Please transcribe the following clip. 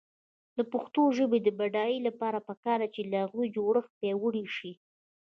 د پښتو ژبې د بډاینې لپاره پکار ده چې لغوي جوړښت پیاوړی شي.